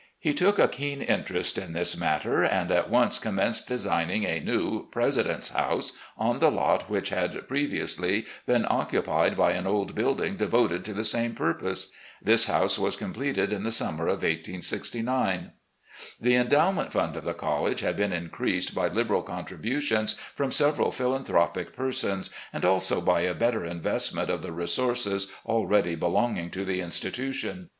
He took a keen interest in this matter, and at once commenced designing a new "President's House" on the lot which had pre^viously been occupied by an old building devoted to the same purpose. This house was completed in the summer of 1869. The endo^wment fxmd of the college had been increased by. liberal contributions from several philanthropic persons, and also by a better investment of the resources already belonging to the institution.